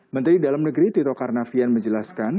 menteri dalam negeri tito karnavian menjelaskan